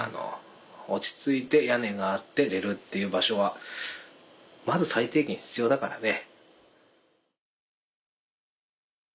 落ち着いて屋根があって寝れるっていう場所はまず最低限必要だからね。